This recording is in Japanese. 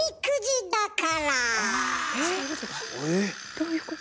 ⁉どういうこと？